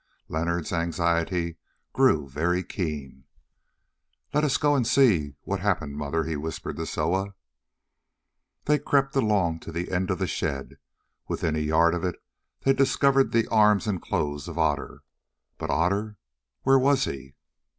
Leonard's anxiety grew very keen. "Let us go and see what happened, mother," he whispered to Soa. They crept along to the end of the shed. Within a yard of it they discovered the arms and clothes of Otter. But Otter! Where was he?